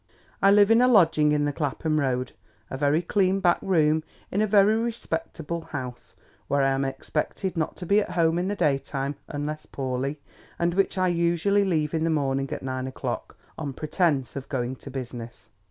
I live in a lodging in the Clapham Road—a very clean back room, in a very respectable house—where I am expected not to be at home in the day time, unless poorly; and which I usually leave in the morning at nine o'clock, on pretence of going to business.